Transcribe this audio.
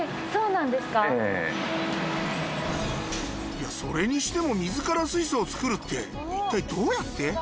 いやそれにしても水から水素を作るっていったいどうやって？